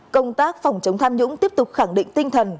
công tác phòng chống tham nhũng tiếp tục khẳng định tinh thần